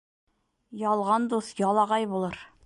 Ялған дуҫ ялағай булыр.